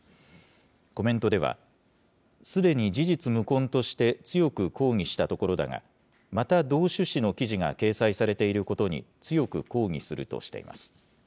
コメントでは、すでに事実無根として強く抗議したところだが、また同趣旨の記事が掲載されていることに強く抗議するとしています。